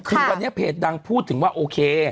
คือวันนี้เพจดังพูดถึงว่าโอเค